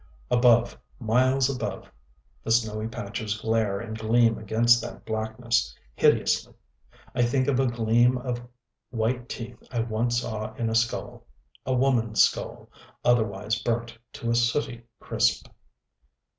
Above miles above the snow patches glare and gleam against that blackness, hideously. I think of a gleam of white teeth I once saw in a skull, a womanŌĆÖs skull, otherwise burnt to a sooty crisp.